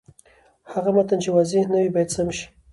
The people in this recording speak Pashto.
هغه متن چې واضح نه وي، باید سم شي.